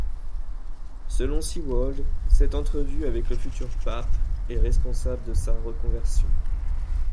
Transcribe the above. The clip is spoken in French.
Selon Seewald, cette entrevue avec le futur pape est responsable de sa reconversion.